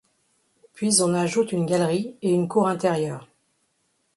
Puis on ajoute une galerie et une cour intérieure.